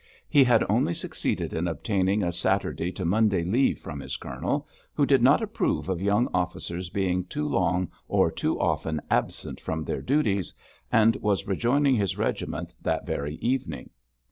He had only succeeded in obtaining a Saturday to Monday leave from his colonel, who did not approve of young officers being too long or too often absent from their duties, and was rejoining his regiment that very evening.